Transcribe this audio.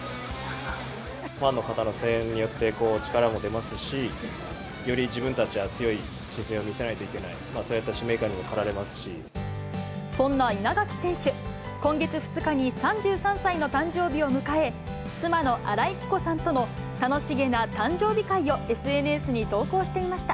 ファンの方の声援によって力も出ますし、より自分たちが強い姿勢を見せないといけない、そういった使命感そんな稲垣選手、今月２日に３３歳の誕生日を迎え、妻の新井貴子さんとの楽しげな誕生日会をＳＮＳに投稿していました。